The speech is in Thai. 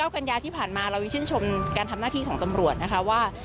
กันยาที่ผ่านมาเรายังชื่นชมการทำหน้าที่ของตำรวจนะคะว่า